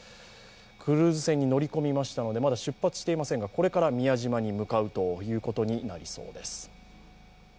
クルーズ船に乗り込みましたので、まだ出発していませんが、これから宮島に向かうということになりそうです。